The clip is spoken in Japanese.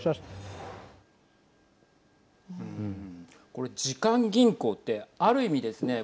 これ、時間銀行ってある意味ですね